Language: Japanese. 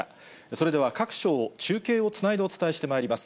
それでは各所を中継をつないでお伝えをしてまいります。